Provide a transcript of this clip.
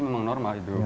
memang normal hidup